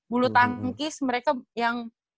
bulu tangkis mereka yang